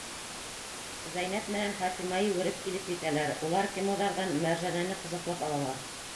Зәйнәп менән Фатима йүгереп килеп етәләр, улар кемуҙарҙан Мәржәнәне ҡосаҡлап алалар.